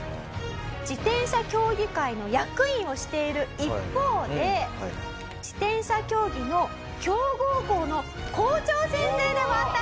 自転車競技会の役員をしている一方で自転車競技の強豪校の校長先生でもあったんです！